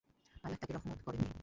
আল্লাহ তাকে রহমত করেননি।